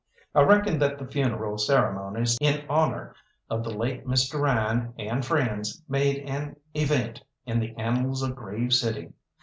I reckon that the funeral ceremonies in honour of the late Mr. Ryan and friends made an event in the annals of Grave City.